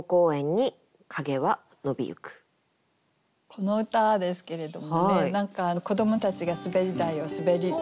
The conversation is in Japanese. この歌ですけれどもね何か子どもたちが滑り台をすべってる。